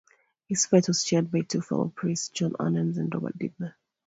His fate was shared by two fellow priests, John Adams and Robert Dibdale.